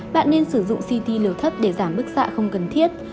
bạn nên sử dụng city liều thấp để giảm bức xạ không cần thiết